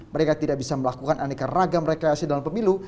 mereka tidak bisa melakukan aneka laga mereka yasa dalam pemilu